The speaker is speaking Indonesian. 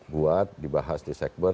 buat dibahas di cekber